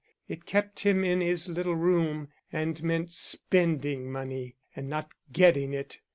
It kept him in his little room and meant spending money, and not getting it.